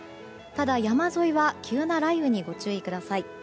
ただ山沿いは急な雷雨にご注意ください。